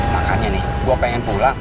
makanya nih gue pengen pulang